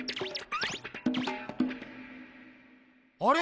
あれ？